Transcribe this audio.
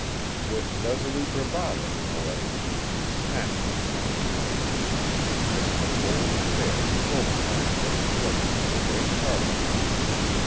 With resolute bravado, however, he snatched them from his nose, and fixed a bold stare full upon the ruddy blaze of the Great Carbuncle.